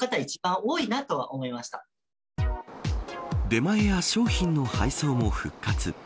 出前や商品の配送も復活。